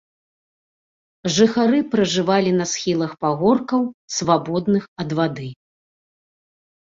Жыхары пражывалі на схілах пагоркаў свабодных ад вады.